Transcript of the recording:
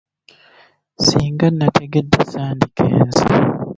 Singa nategedde sandigenze.